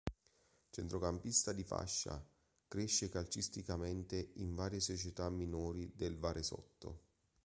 Centrocampista di fascia, cresce calcisticamente in varie società minori del Varesotto.